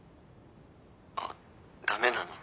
あっ駄目なの？